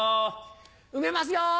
埋めますよ！